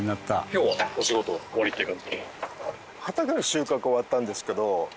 今日はお仕事終わりって感じ？